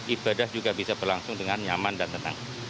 ibadah juga bisa berlangsung dengan nyaman dan tenang